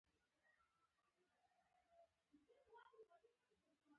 ځینو نورو لیکوالو توپیر بیان کړی دی.